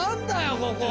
ここ！